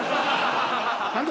何だ。